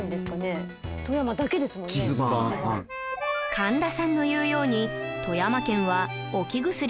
神田さんの言うように富山県は置き薬発祥の地